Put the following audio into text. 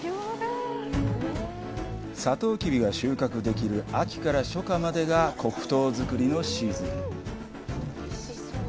サトウキビが収穫できる秋から初夏までが黒糖作りのシーズン。